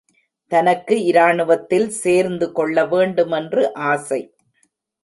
தனக்கு இராணுவத்தில் சேர்ந்துகொள்ள வேண்டுமென்று ஆசை.